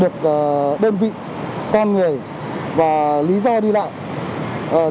được đơn vị con người và lý do đi lại